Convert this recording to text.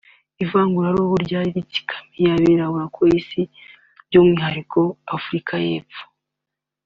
ivanguraruhu ryari ritsikamiye abirabura ku isi by’umwihariko Afurika y’epfo